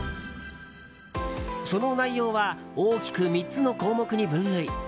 その内容は大きく３つの項目に分類。